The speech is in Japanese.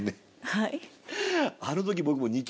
はい。